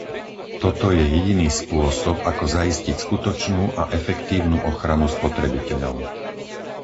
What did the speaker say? Toto je jediný spôsob, ako zaistiť skutočnú a efektívnu ochranu spotrebiteľov.